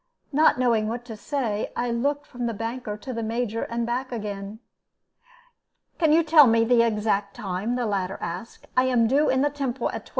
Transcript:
Not knowing what to say, I looked from the banker to the Major, and back again. "Can you tell me the exact time?" the latter asked. "I am due in the Temple at 12.